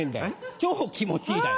「超気持ちいい」だよ。